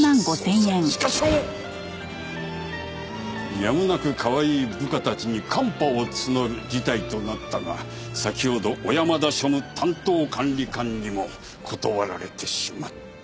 やむなくかわいい部下たちにカンパを募る事態となったが先ほど小山田庶務担当管理官にも断られてしまった。